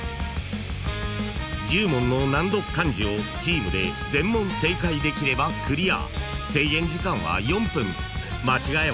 ［１０問の難読漢字をチームで全問正解できればクリア］